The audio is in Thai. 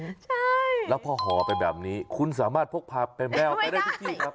ใช่แล้วพอห่อไปแบบนี้คุณสามารถพกพาไปแมวไปได้ทุกที่ครับ